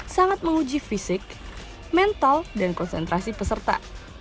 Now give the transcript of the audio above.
sangat menguji fisik mental dan konsentrasi peserta